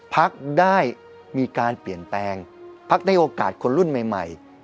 พักได้มีการเปลี่ยนแปลงพักได้โอกาสคนรุ่นใหม่